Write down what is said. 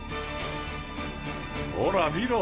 ほら見ろ。